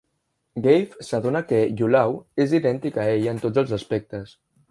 Gabe s'adona que Yulaw és idèntic a ell en tots els aspectes.